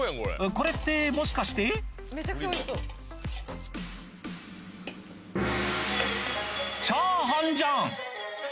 これってもしかしてチャーハンじゃん！